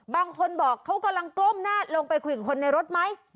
บางคนบอกเขากำลังก้มหน้าลงไปคุยกับคนในรถไหม